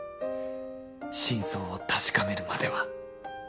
真相を確かめるまでは